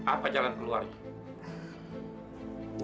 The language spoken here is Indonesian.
apa jalan keluarnya